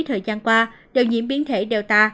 thời gian qua đều nhiễm biến thể delta